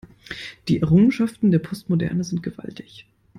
Die Errungenschaften der Postmoderne sind gewaltig.